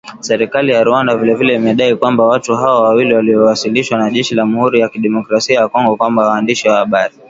Serikali ya Rwanda vile vile imedai kwamba watu hao wawili waliowasilishwa na jeshi la Jamhuri ya Kidemokrasia ya Kongo kwa waandishi wa habari